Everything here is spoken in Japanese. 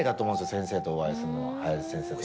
先生とお会いするの林先生と。